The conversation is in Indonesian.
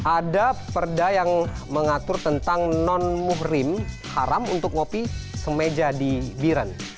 ada perda yang mengatur tentang non muhrim haram untuk ngopi semeja di biren